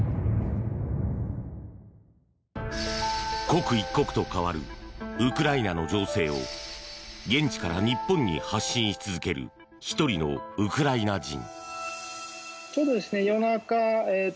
刻一刻と変わるウクライナの情勢を現地から日本に発信し続ける１人のウクライナ人。